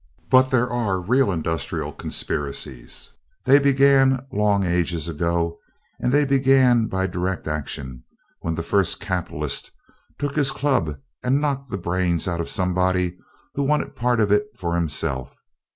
But there are real industrial conspiracies. They began long ages ago, and they began by direct action, when the first capitalist took his club and knocked the brains out of somebody who wanted a part of it for himself.